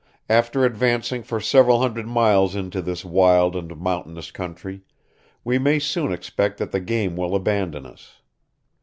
After advancing for several hundred miles into this wild and mountainous country, we may soon expect that the game will abandon us.